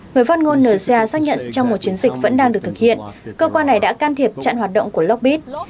người phát ngôn nca xác nhận trong một chiến dịch vẫn đang được thực hiện cơ quan này đã can thiệp trạng hoạt động của lockpick